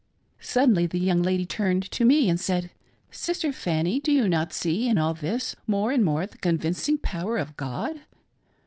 Suddenly the young lady turned to me and said: "Sister Fanny, do you not see in all this, more and more, the convincing power of God